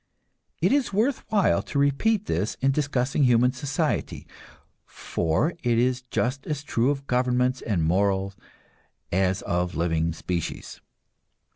It is worth while to repeat this in discussing human society, for it is just as true of governments and morals as of living species.